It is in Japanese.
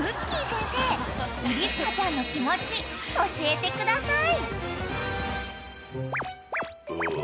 先生イリスカちゃんの気持ち教えてください］